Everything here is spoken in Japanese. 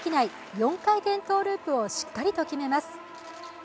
４回転トゥループをしっかりと決めます。